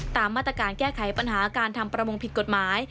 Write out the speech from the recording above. ตามมาตรการแก้ไขปัญหาการทำประมงผิดกฎหมาย